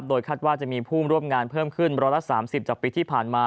โดยคาดว่าจะมีผู้ร่วมงานเพิ่มขึ้น๑๓๐จากปีที่ผ่านมา